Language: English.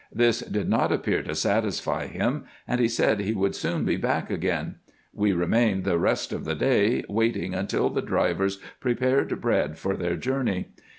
This did not appear to satisfy him, and he said he would soon be back again. We remained the rest of the day, waiting while the drivers prepared bread for their journey.